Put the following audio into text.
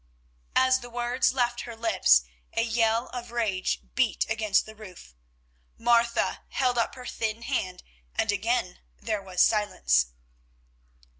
_" As the words left her lips a yell of rage beat against the roof. Martha held up her thin hand, and again there was silence.